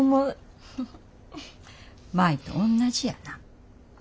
舞とおんなじやな。